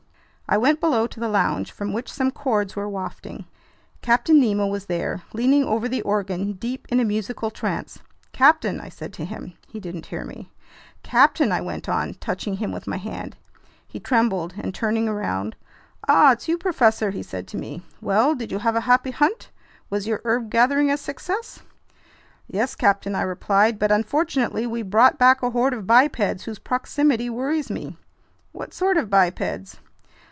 I went below to the lounge, from which some chords were wafting. Captain Nemo was there, leaning over the organ, deep in a musical trance. "Captain!" I said to him. He didn't hear me. "Captain!" I went on, touching him with my hand. He trembled, and turning around: "Ah, it's you, professor!" he said to me. "Well, did you have a happy hunt? Was your herb gathering a success?" "Yes, captain," I replied, "but unfortunately we've brought back a horde of bipeds whose proximity worries me." "What sort of bipeds?"